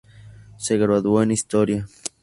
Se graduó en historia.